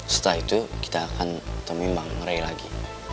setelah itu kita akan temuin bang ray lagi